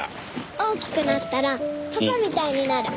大きくなったらパパみたいになる。